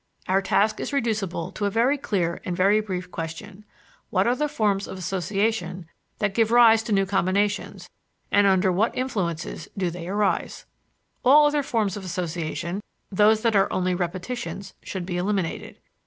Our task is reducible to a very clear and very brief question: What are the forms of association that give rise to new combinations and under what influences do they arise? All other forms of association, those that are only repetitions, should be eliminated.